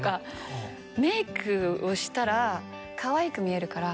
メイクをしたらかわいく見えるから。